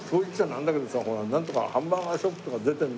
なんだけどさほらなんとかハンバーガーショップとか出てるの。